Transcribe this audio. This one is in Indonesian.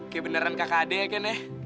kaya beneran kakak adek ya ken ya